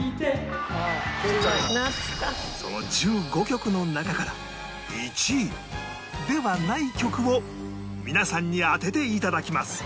その１５曲の中から１位ではない曲を皆さんに当てて頂きます